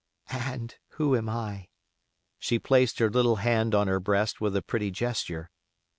"And who am I?" She placed her little hand on her breast with a pretty gesture.